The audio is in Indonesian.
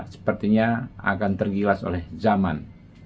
sepertinya akan tergilas oleh zaman